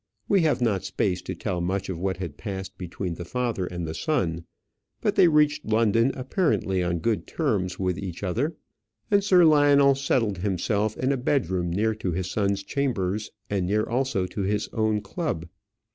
We have not space to tell much of what had passed between the father and the son; but they reached London apparently on good terms with each other, and Sir Lionel settled himself in a bedroom near to his son's chambers, and near also to his own club.